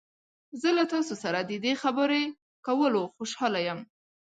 زه له تاسو سره د دې خبرې کولو خوشحاله یم.